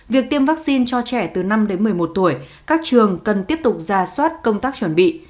việc tiêm vaccine cho trẻ từ năm đến một mươi một tuổi các trường cần tiếp tục ra soát công tác chuẩn bị